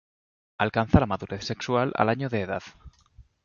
Alcanza la madurez sexual al año de edad.